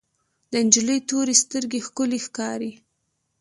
د انجلۍ تورې سترګې ښکلې ښکاري.